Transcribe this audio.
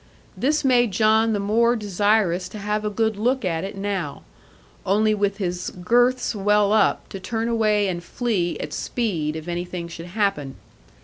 This made John the more desirous to have a good look at it now, only with his girths well up, to turn away and flee at speed, if anything should happen.